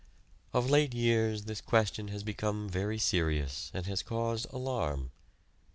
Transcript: Of late years this question has become very serious and has caused alarm.